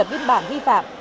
vì là biên bản vi phạm